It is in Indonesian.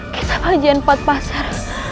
kitab hajian empat pasar